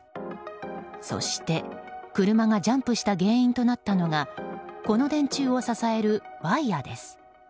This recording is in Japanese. そして、車がジャンプした原因となったのがこの電柱を支えるワイヤです。